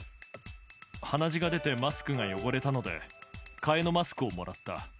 鼻血が出てマスクが汚れたので、替えのマスクをもらった。